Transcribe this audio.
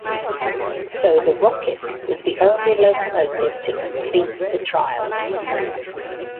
So, the "Rocket" was the only locomotive to complete the trials.